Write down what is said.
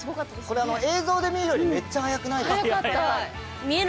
これ映像で見るよりめっちゃ速くないですか？